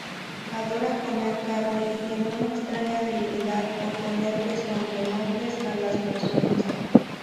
Adora comer carne y tiene una extraña debilidad por ponerles sobrenombres a las personas.